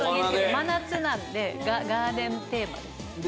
真夏なんでガーデンテーマですね。